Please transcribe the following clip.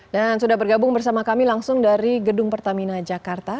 dan sudah bergabung bersama kami langsung dari gedung pertamina jakarta